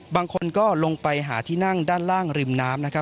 บางคนก็ลงไปหาที่นั่งด้านล่างริมน้ำนะครับ